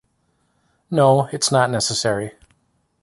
No, it’s not necessary.